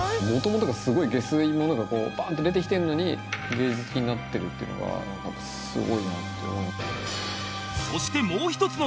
もともとがすごいゲスいものがバーンと出てきてるのに芸術品になってるっていうのがすごいなって。